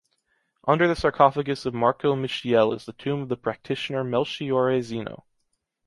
Under the sarcophagus of Marco Michiel is the tomb of the practitioner Melchiorre Zeno.